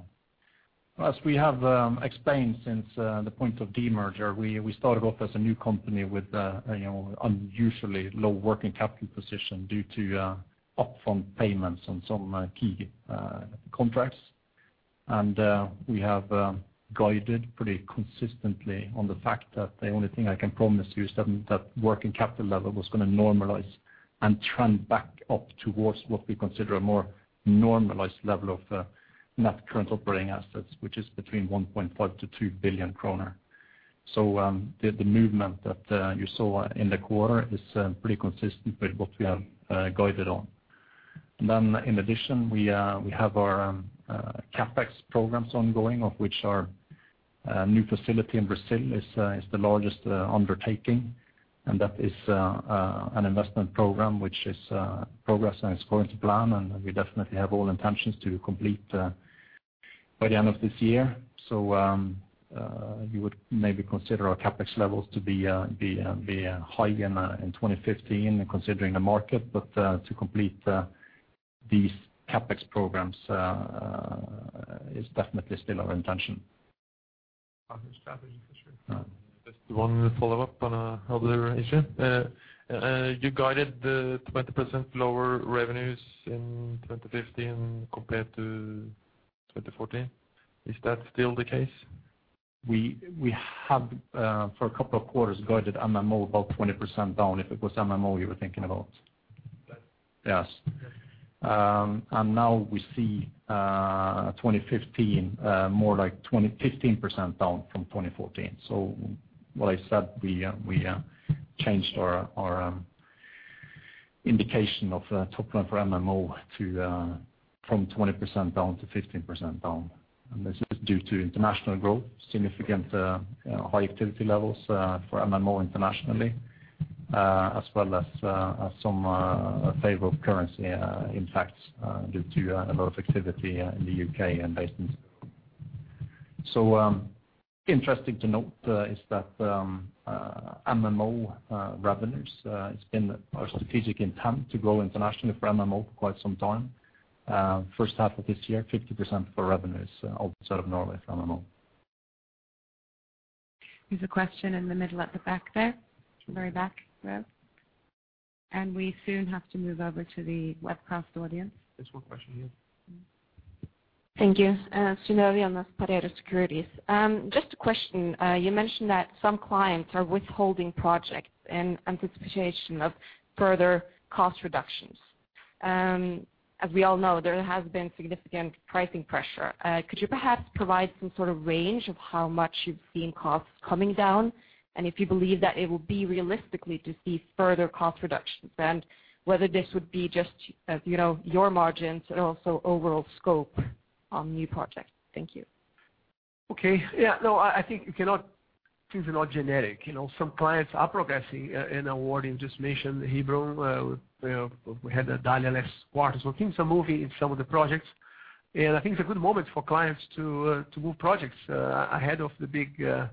Speaker 3: As we have explained since the point of demerger, we started off as a new company with, you know, unusually low working capital position due to upfront payments on some key contracts. We have guided pretty consistently on the fact that the only thing I can promise you is that working capital level was gonna normalize and trend back up towards what we consider a more normalized level of net current operating assets, which is between 1.5 billion-2 billion kroner. The movement that you saw in the quarter is pretty consistent with what we have guided on. In addition, we have our CapEx programs ongoing, of which our new facility in Brazil is the largest undertaking. That is an investment program which is progressing according to plan, and we definitely have all intentions to complete by the end of this year. You would maybe consider our CapEx levels to be high in 2015 considering the market. To complete these CapEx programs is definitely still our intention.
Speaker 8: Understood. Thank you for sharing.
Speaker 3: Yeah.
Speaker 8: Just one follow-up on other issue. You guided 20% lower revenues in 2015 compared to 2014. Is that still the case?
Speaker 3: We have for a couple of quarters guided MMO about 20% down, if it was MMO you were thinking about.
Speaker 8: Yes.
Speaker 3: Yes. Now we see 2015 more like 15% down from 2014. Like I said, we changed our indication of top line for MMO from 20% down to 15% down. This is due to international growth, significant high activity levels for MMO internationally, as well as some favorable currency impacts due to a lot of activity in the UK and basins. Interesting to note is that MMO revenues, it's been our strategic intent to grow internationally for MMO for quite some time. First half of this year, 50% of our revenue is outside of Norway for MMO.
Speaker 1: There's a question in the middle at the back there. Very back row. We soon have to move over to the webcast audience.
Speaker 7: There's one question here.
Speaker 2: Mm-hmm.
Speaker 9: Thank you. Gianni Di Alma, Pareto Securities. Just a question. You mentioned that some clients are withholding projects in anticipation of further cost reductions. As we all know, there has been significant pricing pressure. Could you perhaps provide some sort of range of how much you've seen costs coming down? If you believe that it will be realistically to see further cost reductions, and whether this would be just, as you know, your margins and also overall scope on new projects? Thank you.
Speaker 2: Okay. Yeah, no, I think you cannot things are not generic. You know, some clients are progressing in awarding. Just mentioned Hebron, we had a Dalia last quarter. Things are moving in some of the projects, and I think it's a good moment for clients to move projects ahead of the big, the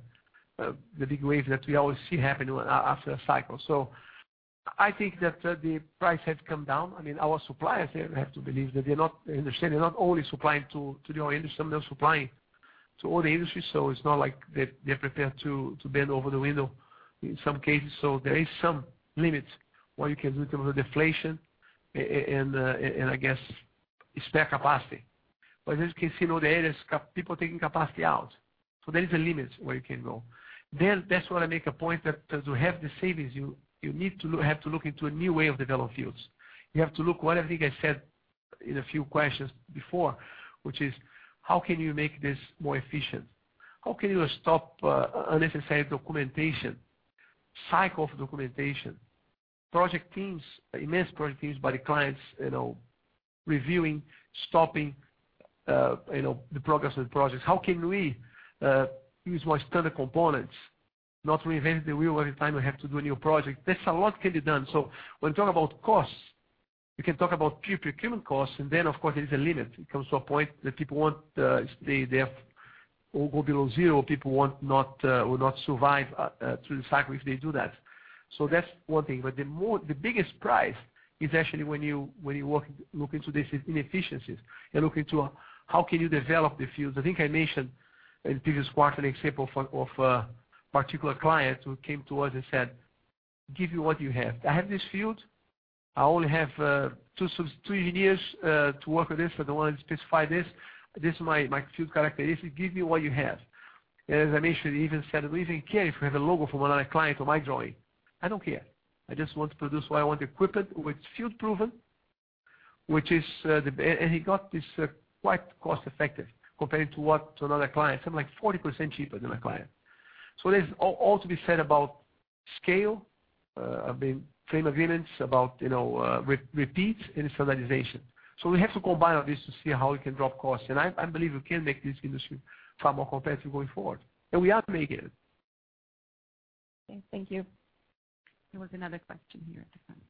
Speaker 2: big wave that we always see happen after a cycle. I think that the price has come down. I mean, our suppliers, they have to believe that they're not... they understand they're not only supplying to the oil industry, they're supplying to all the industries, so it's not like they're prepared to bend over the window in some cases. There is some limits what you can do in terms of deflation and I guess spare capacity. As you can see in all the areas, people taking capacity out. There is a limit where you can go. That's why I make a point that to have the savings, you need to look into a new way of developing fields. You have to look what I think I said in a few questions before, which is how can you make this more efficient? How can you stop unnecessary documentation, cycle of documentation, project teams, immense project teams by the clients, you know, reviewing, stopping, you know, the progress of the projects? How can we use more standard components, not reinvent the wheel every time we have to do a new project? There's a lot can be done. When you talk about costs, we can talk about procurement costs, and then of course there is a limit. It comes to a point that people want, they have or go below 0, people will not survive through the cycle if they do that. That's 1 thing. The biggest price is actually when you, when you work, look into this inefficiencies and look into how can you develop the fields. I think I mentioned in the previous quarter an example of a particular client who came to us and said, "Give me what you have. I have this field. I only have 3 engineers to work with this, but I want to specify this. This is my field characteristic. Give me what you have." As I mentioned, he even said, "I don't even care if you have a logo from another client on my drawing. I don't care. I just want to produce what I want, equipment which field-proven, which is, the... He got this, quite cost-effective comparing to what? To another client, something like 40% cheaper than a client. There's all to be said about scale, I mean, frame agreements, about, you know, repeats and standardization. We have to combine all this to see how we can drop costs. I believe we can make this industry far more competitive going forward, and we are making it.
Speaker 1: Okay, thank you. There was another question here at the front.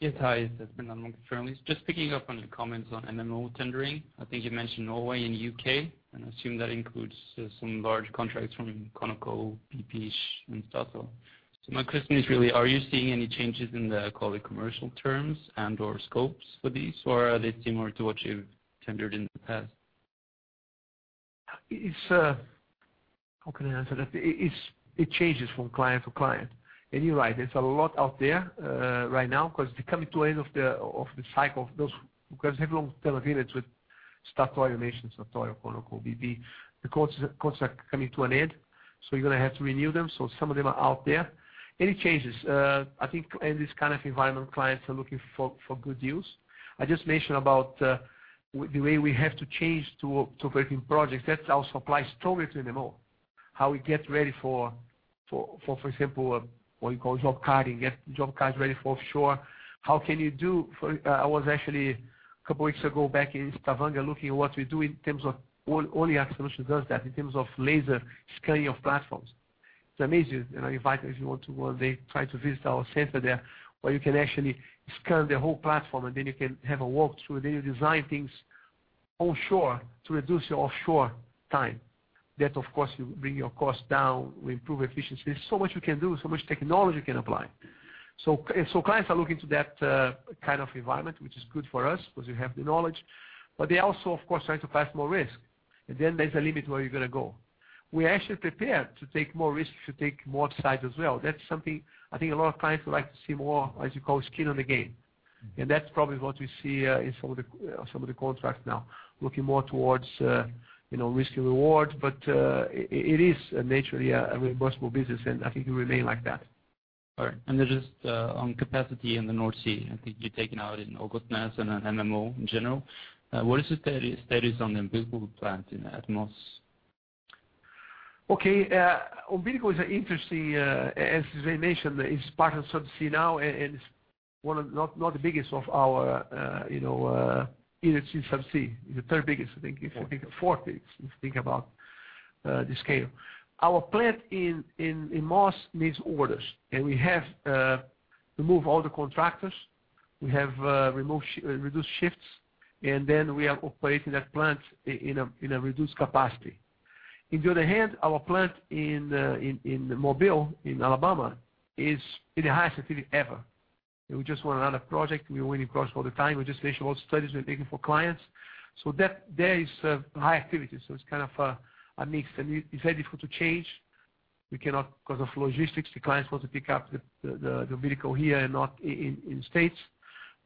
Speaker 10: Yes. Hi, it's Bernard among the journalist. Just picking up on your comments on MMO tendering. I think you mentioned Norway and UK, and I assume that includes some large contracts from ConocoPhillips, BP and Statoil. My question is really, are you seeing any changes in the quality commercial terms and or scopes for these, or are they similar to what you've tendered in the past?
Speaker 2: It's, how can I answer that? It changes from client to client. You're right, there's a lot out there right now 'cause they're c ng to end of the cycle of those, because they have long term agreements with Statoil, Nations, Equinor, ConocoPhillips, BP. The contracts are coming to an end, you're gonna have to renew them. Some of them are out there. It changes. I think in this kind of environment, clients are looking for good deals. I just mentioned about the way we have to change to working projects. That also applies strongly to MMO. How we get ready for example, what you call job carding, get job cards ready for offshore. How can you do for, I was actually a couple weeks ago back in Stavanger looking at what we do in terms of only Aker Solutions does that, in terms of laser scanning of platforms. It's amazing. You know, I invite if you want to one day try to visit our center there, where you can actually scan the whole platform, and then you can have a walkthrough, and then you design things onshore to reduce your offshore time. That of course will bring your costs down, will improve efficiency. There's so much you can do, so much technology you can apply. Clients are looking to that kind of environment, which is good for us 'cause we have the knowledge. They also of course trying to pass more risk. There's a limit where you're gonna go. We're actually prepared to take more risks, to take more size as well. That's something I think a lot of clients would like to see more, as you call, skin in the game. That's probably what we see in some of the contracts now, looking more towards, you know, risk and reward. It is naturally a risk-reward business, and I think it'll remain like that.
Speaker 10: All right. Just, on capacity in the North Sea. I think you're taking out in August, and then MMO in general. What is the status on the Umbilical plant in, at Moss?
Speaker 2: Okay. Umbilical is an interesting, as I mentioned, it's part of Subsea now and it's one of the, not the biggest of our, you know, energy Subsea. It's the 3rd biggest, I think. It's the biggest-
Speaker 10: Fourth.
Speaker 2: Fourth biggest, if you think about the scale. Our plant in Moss needs orders. We have removed all the contractors. We have reduced shifts, and then we are operating that plant in a reduced capacity. In the other hand, our plant in Mobile in Alabama is in the highest activity ever. We just won another project. We're winning projects all the time. We're just finishing all studies we're making for clients. That, there is high activity, so it's kind of a mix, and it's very difficult to change. We cannot 'cause of logistics. The clients want to pick up the Umbilical here and not in States.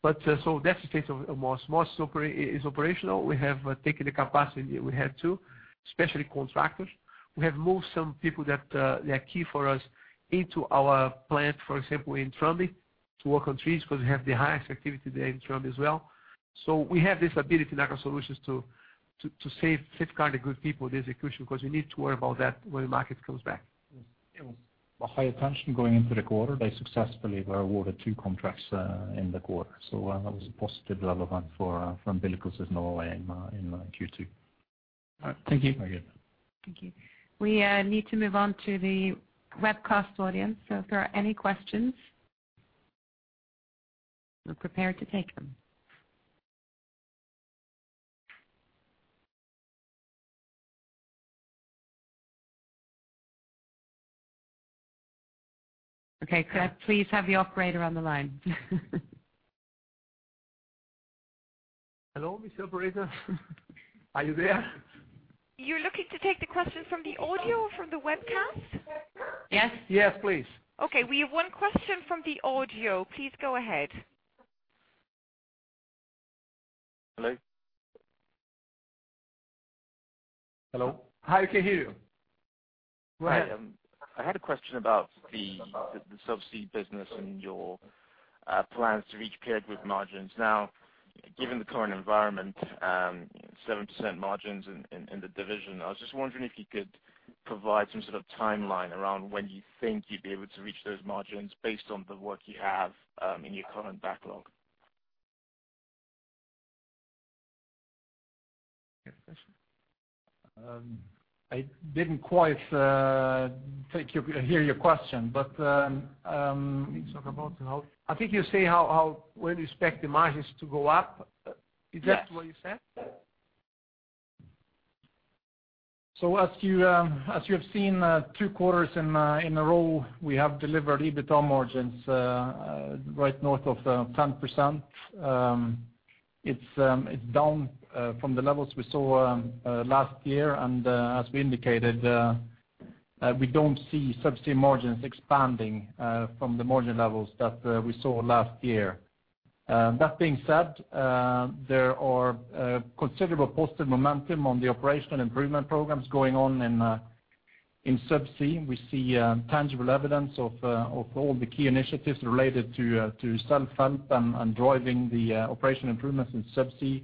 Speaker 2: That's the state of Moss. Moss is operational. We have taken the capacity we had to, especially contractors. We have moved some people that they are key for us into our plant, for example, in Tranby to work on trees 'cause we have the highest activity there in Tranby as well. We have this ability in Aker Solutions to safeguard the good people, the execution, 'cause you need to worry about that when the market comes back.
Speaker 3: It was a high attention going into the quarter. They successfully were awarded 2 contracts in the quarter. That was a positive development for from Umbilical Systems Norway in Q2.
Speaker 10: All right. Thank you.
Speaker 3: Very good.
Speaker 1: Thank you. We need to move on to the webcast audience. If there are any questions, we're prepared to take them. Could I please have the operator on the line?
Speaker 3: Hello, Mr. Operator. Are you there?
Speaker 11: You're looking to take the question from the audio or from the webcast?
Speaker 12: Yes.
Speaker 3: Yes, please.
Speaker 11: We have one question from the audio. Please go ahead.
Speaker 12: Hello?
Speaker 3: Hello.
Speaker 12: I can hear you.
Speaker 3: Go ahead.
Speaker 12: I had a question about the Subsea business and your plans to reach period group margins. Given the current environment, 7% margins in the division, I was just wondering if you could provide some sort of timeline around when you think you'd be able to reach those margins based on the work you have in your current backlog.
Speaker 3: Good question. I didn't quite hear your question.
Speaker 12: Can you talk about how-
Speaker 3: I think you say how, when you expect the margins to go up.
Speaker 12: Yes.
Speaker 3: Is that what you said? As you have seen, two quarters in a row, we have delivered EBITDA margins right north of 10%. It's down from the levels we saw last year. As we indicated, we don't see Subsea margins expanding from the margin levels that we saw last year. That being said, there are considerable positive momentum on the operational improvement programs going on in Subsea. We see tangible evidence of all the key initiatives related to self-help and driving the operational improvements in Subsea,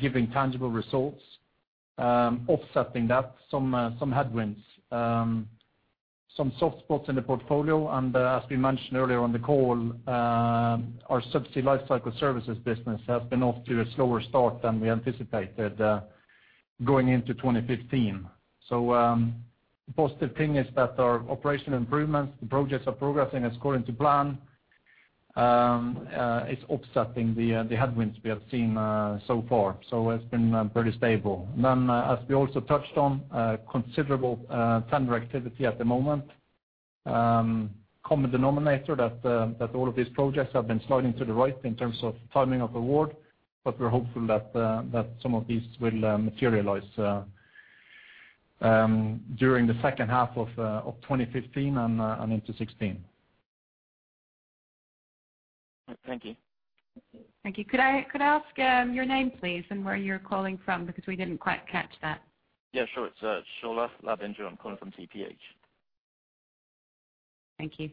Speaker 3: giving tangible results. Offsetting that, some headwinds, some soft spots in the portfolio. As we mentioned earlier on the call, our Subsea lifecycle services business has been off to a slower start than we anticipated going into 2015. The positive thing is that our operational improvements, the projects are progressing as according to plan. It's offsetting the headwinds we have seen so far, so it's been pretty stable. As we also touched on, considerable tender activity at the moment. Common denominator that all of these projects have been sliding to the right in terms of timing of award, but we're hopeful that some of these will materialize during the second half of 2015 and into 2016.
Speaker 12: Thank you.
Speaker 11: Thank you. Could I ask your name, please, and where you're calling from? We didn't quite catch that.
Speaker 12: Yeah, sure. It's Shola Labinjo. I'm calling from TPH.
Speaker 11: Thank you.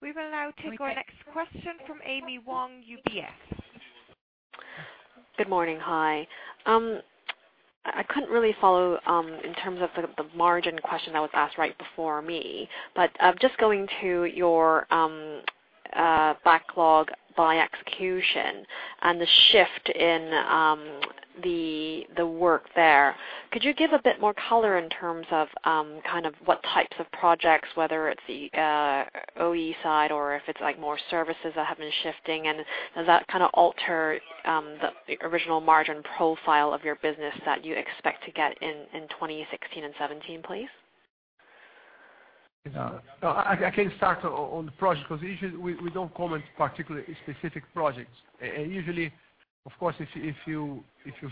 Speaker 11: We will now take our next question from Amy Wong, UBS.
Speaker 13: Good morning. Hi. I couldn't really follow, in terms of the margin question that was asked right before me. Just going to your backlog by execution and the shift in the work there, could you give a bit more color in terms of kind of what types of projects, whether it's the OE side or if it's like more services that have been shifting? Does that kinda alter the original margin profile of your business that you expect to get in 2016 and 2017, please?
Speaker 3: No, I can start on the project because usually we don't comment particularly specific projects. Usually, of course, if you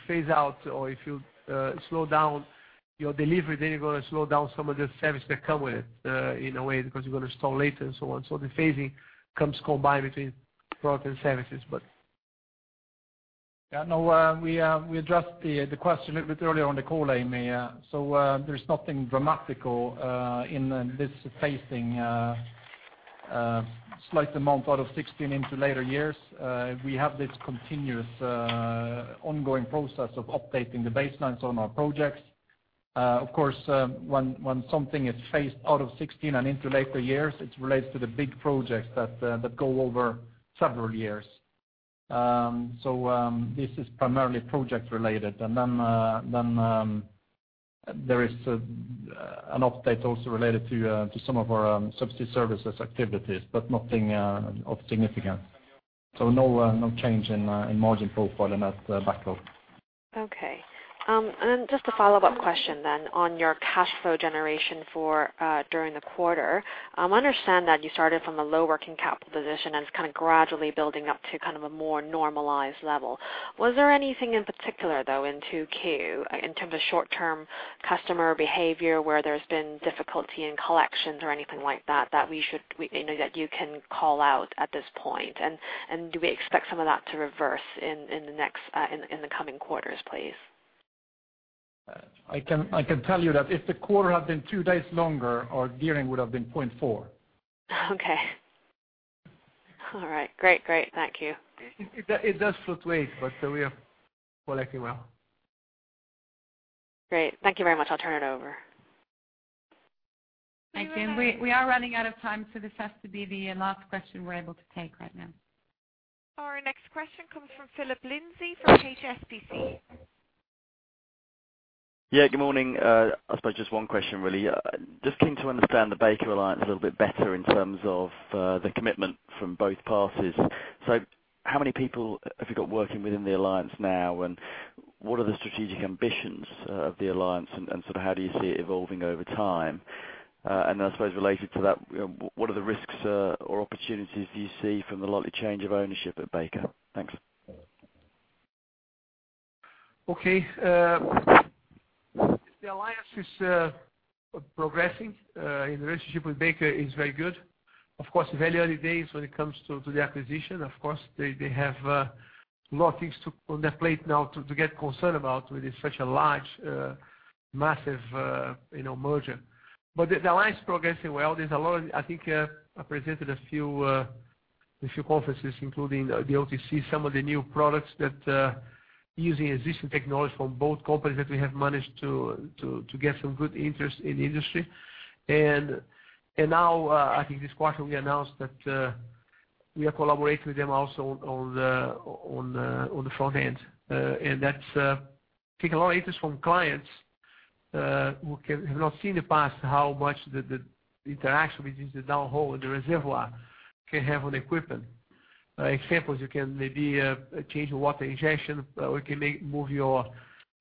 Speaker 3: phase out or if you slow down your delivery, then you're gonna slow down some of the service that come with it in a way because you're gonna install later and so on. The phasing comes combined between product and services. Yeah, no, we addressed the question a bit earlier on the call, Amy. There's nothing dramatical in this phasing, slight amount out of 16 into later years. We have this continuous ongoing process of updating the baselines on our projects. Of course, when something is phased out of 16 and into later years, it relates to the big projects that go over several years. This is primarily project related. Then, there is an update also related to some of our Subsea services activities, but nothing of significance. No, no change in margin profile in that backlog.
Speaker 13: Okay. Then just a follow-up question then on your cash flow generation for during the quarter. Understand that you started from a low working capital position and it's kinda gradually building up to kind of a more normalized level. Was there anything in particular, though, in 2Q in terms of short-term customer behavior, where there's been difficulty in collections or anything like that maybe that you can call out at this point? Do we expect some of that to reverse in the next in the coming quarters, please?
Speaker 3: I can tell you that if the quarter had been two days longer, our gearing would have been 0.4.
Speaker 13: Okay.
Speaker 1: All right. Great. Great. Thank you.
Speaker 2: It does fluctuate. We are collecting well.
Speaker 1: Great. Thank you very much. I'll turn it over. Thank you. We are running out of time, so this has to be the last question we're able to take right now.
Speaker 11: Our next question comes from Philip Lindsay from HSBC.
Speaker 14: Yeah, good morning. I suppose just one question really. Just keen to understand the Baker alliance a little bit better in terms of the commitment from both parties. How many people have you got working within the alliance now, and what are the strategic ambitions of the alliance and sort of how do you see it evolving over time? I suppose related to that, what are the risks or opportunities do you see from the likely change of ownership at Baker? Thanks.
Speaker 2: Okay. The alliance is progressing. The relationship with Baker is very good. Of course, very early days when it comes to the acquisition. Of course, they have a lot of things on their plate now to get concerned about with such a large, massive, you know, merger. The alliance is progressing well. There's a lot of I think I presented a few a few conferences, including the OTC, some of the new products that using existing technology from both companies that we have managed to get some good interest in the industry. Now, I think this quarter we announced that we are collaborating with them also on the front end. That's taking a lot of interest from clients who have not seen the past, how much the interaction between the downhole and the reservoir can have on equipment. Examples, you can maybe change water injection. We can move your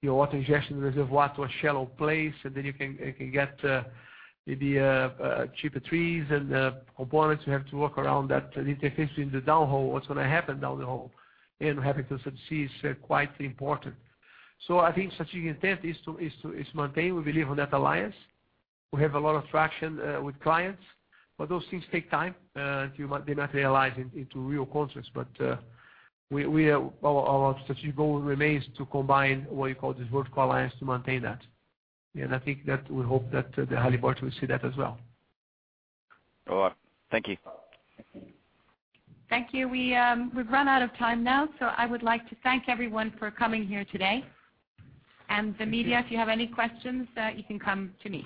Speaker 2: water injection reservoir to a shallow place, and then you can, you can get maybe cheaper trees and components. You have to work around that interface in the downhole. What's gonna happen down the hole and having to succeed is quite important. I think strategic intent is maintained. We believe in that alliance. We have a lot of traction with clients. Those things take time. They might realize into real contracts, but we are... Our strategic goal remains to combine what you call this vertical alliance to maintain that. I think that we hope that Halliburton will see that as well.
Speaker 14: All right. Thank you.
Speaker 1: Thank you. We've run out of time now. I would like to thank everyone for coming here today. The media, if you have any questions, you can come to me.